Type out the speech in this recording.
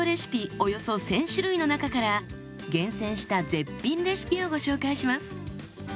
およそ１，０００種類の中から厳選した絶品レシピをご紹介します。